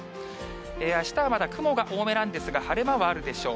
あしたはまだ雲が多めなんですが、晴れ間はあるでしょう。